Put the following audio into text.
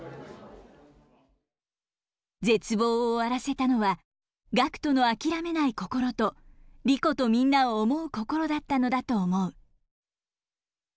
「絶望を終わらせたのはガクトのあきらめない心とリコとみんなを思う心だったのだと思う」。